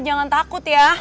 jangan takut ya